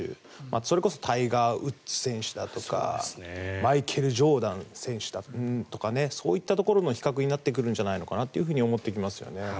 それこそタイガー・ウッズ選手だとかマイケル・ジョーダン選手だとかそういったところの比較になってくると思います。